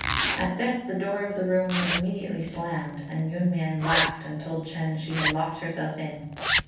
At this the door of the room was immediately slammed, and Yün mien laughed and told Chên she had locked herself in.